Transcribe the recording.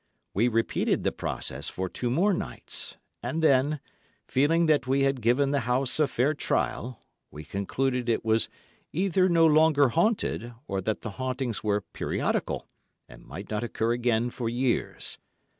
We repeated the process for two more nights, and then, feeling that we had given the house a fair trial, we concluded it was either no longer haunted, or that the hauntings were periodical, and might not occur again for years.